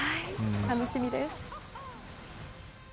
楽しみです。